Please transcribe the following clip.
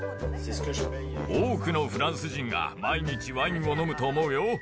多くのフランス人が毎日ワインを飲むと思うよ。